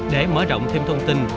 để mở rộng thêm thông tin